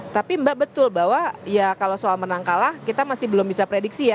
tapi mbak betul bahwa ya kalau soal menang kalah kita masih belum bisa prediksi ya